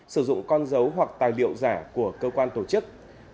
sử dụng con dấu hoặc tài liệu giả của cơ quan tổ chức